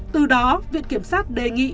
từ đó viện kiểm sát đề nghị